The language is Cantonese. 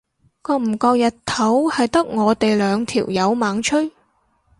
覺唔覺日頭係得我哋兩條友猛吹？